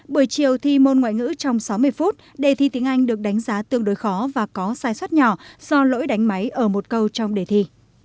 buổi chiều thi môn ngoại ngữ trong sáu mươi phút đề thi tiếng anh được đánh giá tương đối khó và có sai suất nhỏ do lỗi đánh máy ở một câu trong đề thi